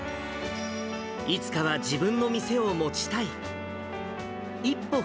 いつかは自分の店を持ちたい。